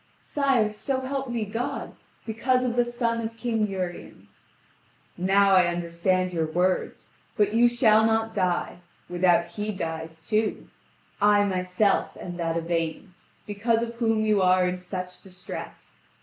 "Sire, so help me God, because of the son of King Urien." "Now I understand your words, but you shall not die, without he dies too. I myself am that Yvain, because of whom you are in such distress.